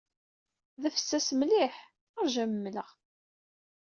D afessas mliḥ. Ṛju ad am-mleɣ.